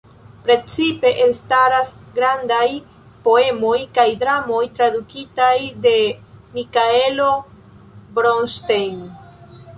Precipe elstaras grandaj poemoj kaj dramoj tradukitaj de Mikaelo Bronŝtejn.